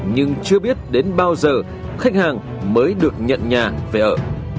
nhưng chưa biết đến bao giờ khách hàng mới được nhận nhà về ở